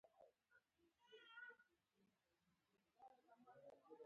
آیا د درملو فابریکې لرو؟